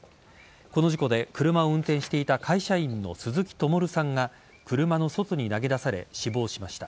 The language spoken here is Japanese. この事故で、車を運転していた会社員の鈴木友瑠さんが車の外に投げ出され死亡しました。